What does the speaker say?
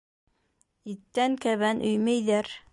Иттән кәбән өймәйҙәр.